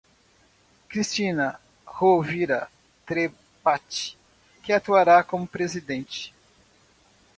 Cristina Rovira Trepat, que atuará como presidente.